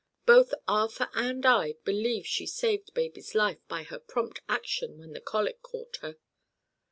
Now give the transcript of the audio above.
Both Arthur and I believe she saved baby's life by her prompt action when the colic caught her."